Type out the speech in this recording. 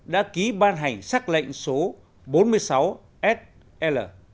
đã ký ban hành xác lệnh số bốn mươi sáu sl